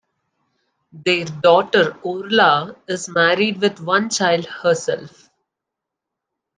Their daughter Orla is married with one child herself.